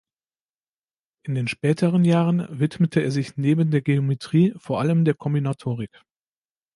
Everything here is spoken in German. In den späteren Jahren widmete er sich neben der Geometrie vor allem der Kombinatorik.